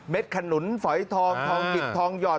เม็ดขนุนฝอยทองทองติดทองหยอด